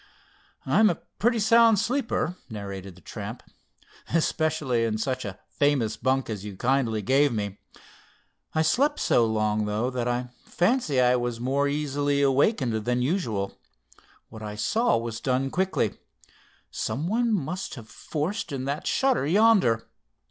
"I'm a pretty sound sleeper," narrated the tramp, "especially in such a famous bunk as you kindly gave me. I'd slept so long, though, that I fancy I was more easily awakened than usual. What I saw was done quickly. Some one must have forced in that shutter yonder.